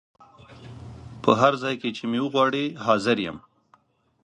په هر ځای کي چي مي وغواړی حضور یم